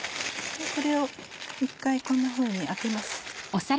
これを一回こんなふうにあけます。